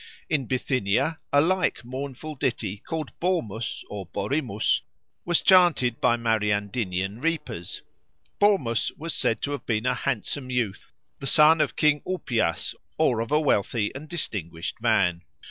In Bithynia a like mournful ditty, called Bormus or Borimus, was chanted by Mariandynian reapers. Bormus was said to have been a handsome youth, the son of King Upias or of a wealthy and distinguished man.